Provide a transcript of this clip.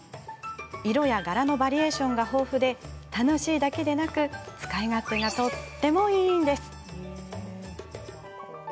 色や柄のバリエーションが豊富で楽しいだけでなく使い勝手がとってもいいんです。